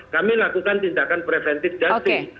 kami lakukan tindakan preventif dan sih